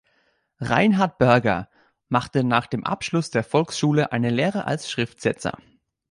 Reinhard Börger machte nach dem Abschluss der Volksschule eine Lehre als Schriftsetzer.